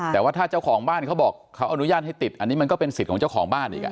แต่ว่าถ้าเจ้าของบ้านเขาบอกเขาอนุญาตให้ติดอันนี้มันก็เป็นสิทธิ์ของเจ้าของบ้านอีก